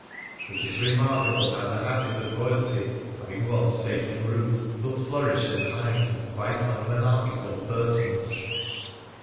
It is remarkable how the habit of royalty, having once taken root, will flourish in the minds of quite unmonarchical persons.